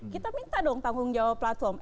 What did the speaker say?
kita minta dong tanggung jawab platform